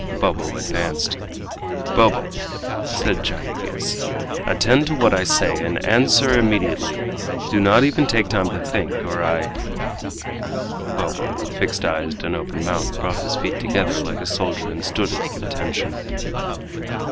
Bobo advanced. "Bobo," said Jarriquez, "attend to what I say, and answer immediately; do not even take time to think, or I " Bobo, with fixed eyes and open mouth, brought his feet together like a soldier and stood at attention.